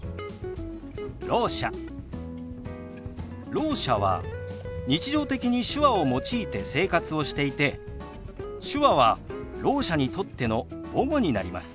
ろう者は日常的に手話を用いて生活をしていて手話はろう者にとっての母語になります。